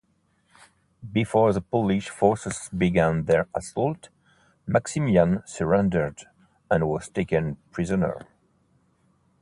Before the Polish forces began their assault, Maximilian surrendered and was taken prisoner.